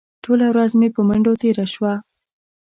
ټوله ورځ مې په منډو تېره شوه.